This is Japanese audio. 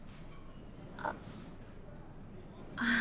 あっああ。